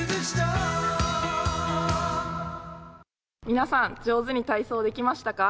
皆さん、上手に体操できましたか？